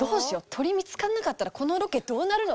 鳥見つかんなかったらこのロケどうなるの？」